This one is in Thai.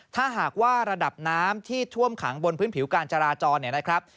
ถ้าหากว่าระดับน้ำที่ท่วมขังบนพื้นผิวกาญจาราจร